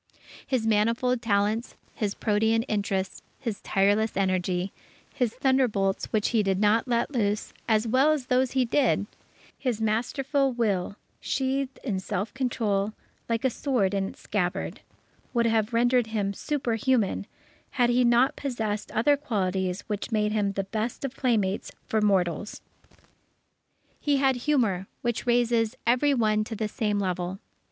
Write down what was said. His manifold talents, his protean interests, his tireless energy, his thunderbolts which he did not let loose, as well as those he did, his masterful will sheathed in self control like a sword in its scabbard, would have rendered him superhuman, had he not possessed other qualities which made him the best of playmates for mortals. He had humour, which raises every one to the same level.